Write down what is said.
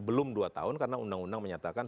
belum dua tahun karena undang undang menyatakan